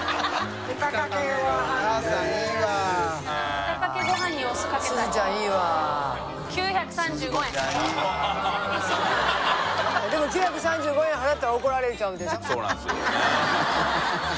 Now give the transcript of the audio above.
久本）でも９３５円払ったら怒られちゃうんでしょ？